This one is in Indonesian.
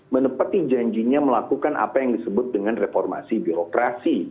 menepati janjinya melakukan apa yang disebut dengan reformasi birokrasi